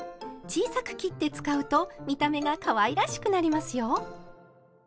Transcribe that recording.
小さく切って使うと見た目がかわいらしくなりますよ。